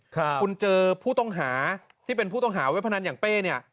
คุณเจอผู้ต้องหาที่เป็นผู้ต้องหาเว็บพนันอย่างเป้เนี่ย